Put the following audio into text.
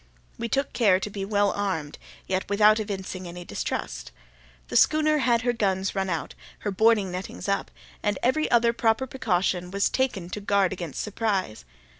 We took care to be well armed, yet without evincing any distrust. The schooner had her guns run out, her boarding nettings up, and every other proper precaution was taken to guard against surprise.